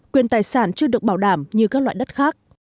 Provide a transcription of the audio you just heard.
quyền tài sản chưa được bảo đảm như các loại đất khác